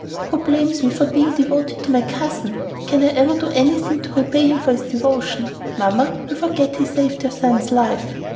"Who blames me for being devoted to my cousin? Can I ever do enough to repay him for his devotion? Mamma, you forget he saved your son's life."